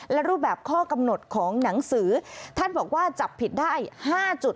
และรูปแบบข้อกำหนดของหนังสือท่านบอกว่าจับผิดได้๕จุด